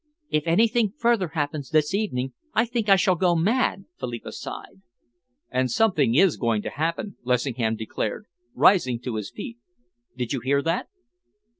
"If anything further happens this evening, I think I shall go mad," Philippa sighed. "And something is going to happen," Lessingham declared, rising to his feet. "Did you hear that?"